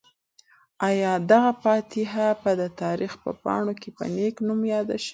آیا دغه فاتح به د تاریخ په پاڼو کې په نېک نوم یاد شي؟